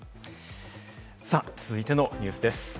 続いてのニュースです。